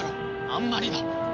あんまりだ！